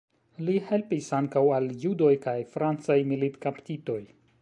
Li helpis ankaŭ al judoj kaj francaj militkaptitoj.